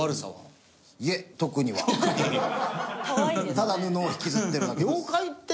ただ布を引きずってるだけです。